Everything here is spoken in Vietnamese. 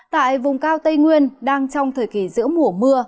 tại vùng cao tây nguyên đang trong thời kỳ giữa mùa mưa